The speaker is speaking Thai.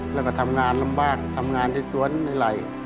แล้วก็ทำงานลำบากทำงานในสวนในไหล่